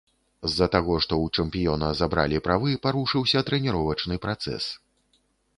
З-за таго, што ў чэмпіёна забралі правы, парушыўся трэніровачны працэс.